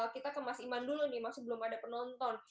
kita ke mas iman dulu nih masih belum ada penonton